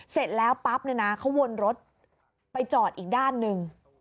เสร็จแล้วปั๊บเนี่ยนะเขาวนรถไปจอดอีกด้านหนึ่ง